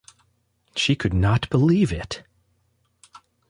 She could not believe it.